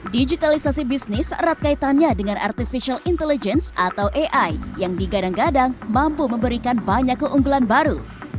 digitalisasi bisnis erat kaitannya dengan artificial intelligence atau ai yang digadang gadang mampu memberikan banyak keunggulan baru